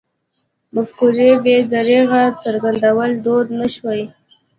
مفکورې بې درېغه څرګندول دود نه شوی.